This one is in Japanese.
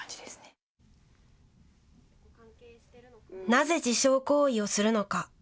なぜ自傷行為をするのか。